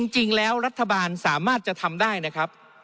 จริงแล้วรัฐบาลสามารถจะทำได้นะครับ